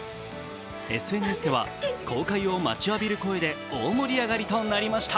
ＳＮＳでは公開を待ちわびる声で大盛り上がりとなりました。